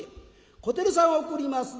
小照さん送ります。